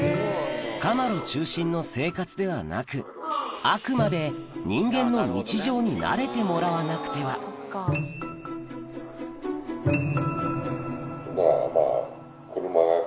カマロ中心の生活ではなくあくまで人間の日常に慣れてもらわなくてはまぁまぁ。